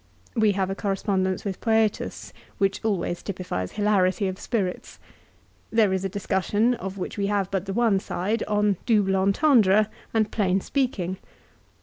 We have a corre spondence with Foetus, which always typifies hilarity of spirits. There is a discussion, of which we have but the one side, on " double entendre " and plain speaking.